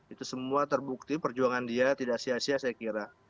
itu semua terbukti perjuangan dia tidak sia sia saya kira